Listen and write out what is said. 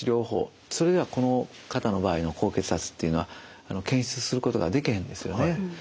それではこの方の場合の高血圧っていうのは検出することがでけへんですよね。